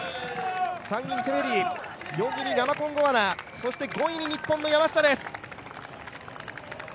３位にテフェリ、４位にラマコンゴアナ、そして５位に日本の山下です。